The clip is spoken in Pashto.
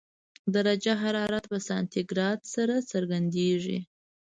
درجه حرارت په سانتي ګراد سره څرګندېږي.